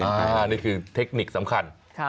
นี่คือเทคนิคสำคัญ